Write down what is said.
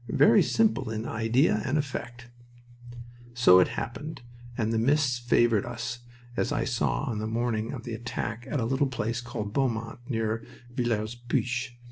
Very simple in idea and effect! So it happened, and the mists favored us, as I saw on the morning of the attack at a little place called Beaumont, near Villers Pluich.